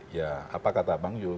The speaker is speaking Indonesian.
ya apa kata bang yul